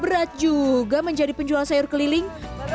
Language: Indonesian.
berat juga menjadi penjual sayur keliling